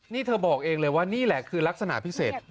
นี่เธอบอกเองเลยว่านี่แหละคือลักษณะพิเศษ